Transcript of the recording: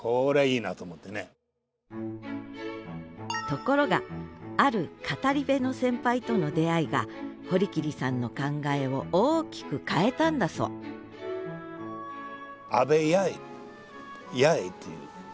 ところがある語り部の先輩との出会いが堀切さんの考えを大きく変えたんだそうヤヱさん。